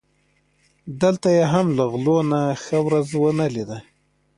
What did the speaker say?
دلته یې هم له غلو نه ښه ورځ و نه لیده.